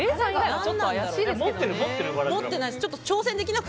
持ってないです。